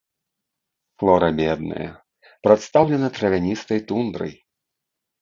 Флора бедная, прадстаўлена травяністай тундрай.